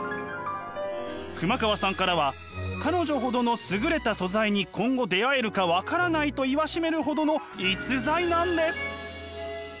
熊川さんからは「彼女ほどの優れた素材に今後出会えるかわからない」と言わしめるほどの逸材なんです。